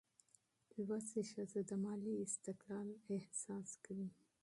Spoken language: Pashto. زده کړه ښځه د مالي استقلال احساس کوي.